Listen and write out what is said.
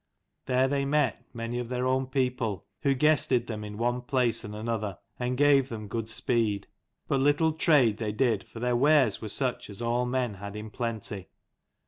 There they met many of their own people who guested them in one place and another, and gave them good speed : but little trade they did, for their wares were such as all men had in plenty.